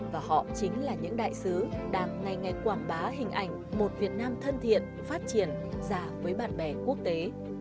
và họ chính là những đại sứ đang ngày ngày quảng bá hình ảnh một việt nam thân thiện phát triển già với bạn bè quốc tế